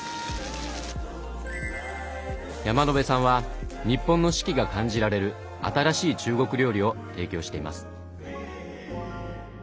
山野辺さんは日本の四季が感じられる新しい中国料理を提供しています。